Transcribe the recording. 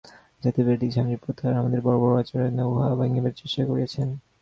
জাতিভেদ একটি সামাজিক প্রথা, আর আমাদের বড় বড় আচার্যেরা উহা ভাঙিবার চেষ্টা করিয়াছেন।